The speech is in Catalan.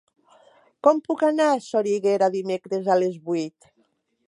Com puc anar a Soriguera dimecres a les vuit?